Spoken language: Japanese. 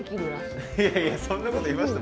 いやいやそんなこと言いました？